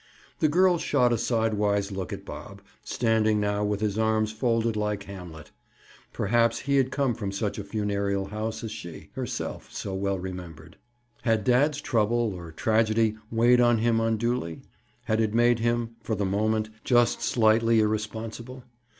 The girl shot a sidewise look at Bob, standing now with his arms folded like Hamlet. Perhaps he had come from such a funereal house as she, herself, so well remembered? Had dad's trouble, or tragedy, weighed on him unduly? Had it made him—for the moment—just slightly irresponsible?